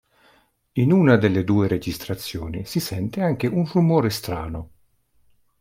In una delle due registrazioni si sente anche un rumore strano.